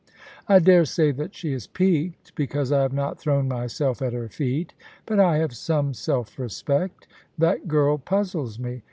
I dare say that she is piqued because I have not thrown myself at her feet ; but I have some self respect. That girl puzzles me.